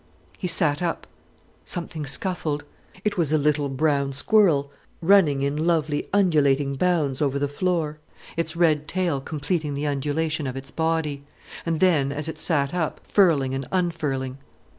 He sat up. Something scuffled. It was a little, brown squirrel running in lovely, undulating bounds over the floor, its red tail completing the undulation of its body—and then, as it sat up, furling and unfurling.